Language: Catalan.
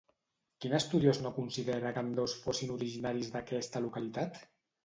Quin estudiós no considera que ambdós fossin originaris d'aquesta localitat?